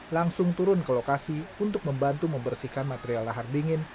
langsung turun ke lokasi untuk membantu membersihkan material lahar dingin